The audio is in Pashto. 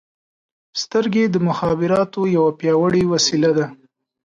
• سترګې د مخابراتو یوه پیاوړې وسیله ده.